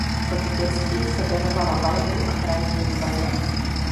Od dětství se věnovala baletu a hraní v divadle.